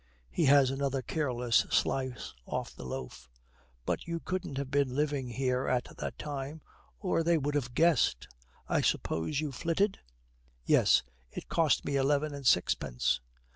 He has another careless slice off the loaf. 'But you couldn't have been living here at that time or they would have guessed. I suppose you flitted?' 'Yes, it cost me eleven and sixpence.'